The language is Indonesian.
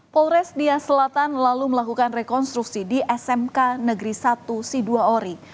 polres nias selatan lalu melakukan rekonstruksi di smk negeri satu siduaori